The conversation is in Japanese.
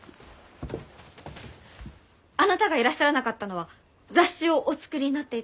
あなたがいらっしゃらなかったのは雑誌をお作りになっていたせいだと。